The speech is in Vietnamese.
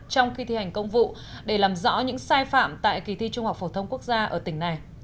trong khi thi hành công vụ để làm rõ những sai phạm tại kỳ thi trung học phổ thông quốc gia ở tỉnh này